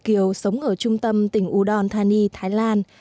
kiều sống ở trung tâm tỉnh udon thani thái lan